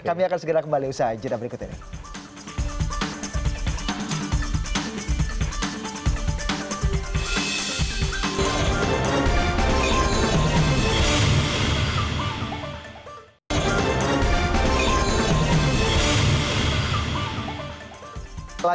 kami akan segera kembali usaha jadwal berikutnya